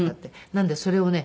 なのでそれをね